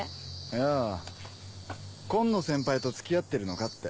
いや紺野先輩と付き合ってるのかって。